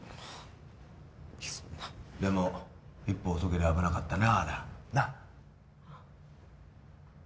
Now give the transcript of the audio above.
でも一歩遅けりゃ危なかったなありゃなッ？